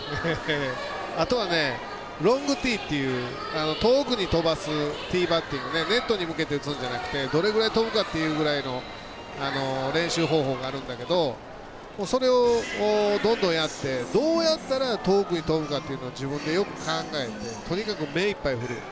あとはね、ロングティーっていう遠くに飛ばすティーバッティングネットに向けて打つんじゃなくてどれぐらい飛ぶかというぐらいの練習方法があるんだけどそれをどんどんやってどうやったら遠くに飛ぶかっていうのを自分でよく考えてとにかく目いっぱい振る。